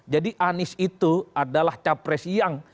jadi anies itu adalah capres yang